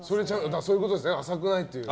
そういうことですね浅くないっていう。